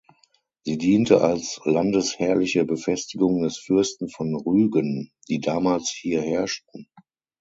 Sie diente als landesherrliche Befestigung der Fürsten von Rügen, die damals hier herrschten.